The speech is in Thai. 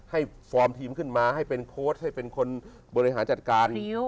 ฟอร์มทีมขึ้นมาให้เป็นโค้ชให้เป็นคนบริหารจัดการ